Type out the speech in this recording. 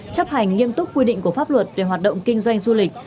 chấp hành nghiêm túc quy định của pháp luật về hoạt động kinh doanh du lịch